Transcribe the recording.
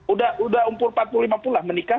udah umur empat puluh lima puluh lah menikah